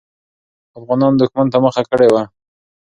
افغانان دښمن ته مخه کړې وه.